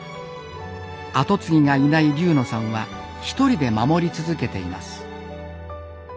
後継ぎがいない龍野さんはひとりで守り続けています。